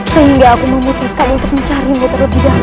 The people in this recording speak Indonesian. sehingga aku memutuskan untuk mencari motor tidak